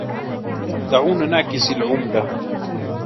دعونا نعكس العملة.